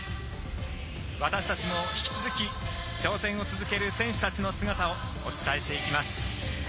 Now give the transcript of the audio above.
私たちも引き続き挑戦を続ける選手たちの姿をお伝えしていきます。